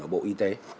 ở bộ y tế